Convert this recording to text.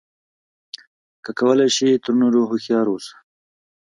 که کولای شې تر نورو هوښیار اوسه.